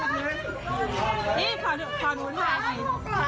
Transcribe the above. อาทิตย์หนึ่งเลย